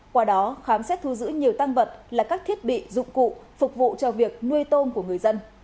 qua đó khám xét thu giữ nhiều tăng vật là các thiết bị dụng cụ phục vụ cho việc nuôi tôm của người dân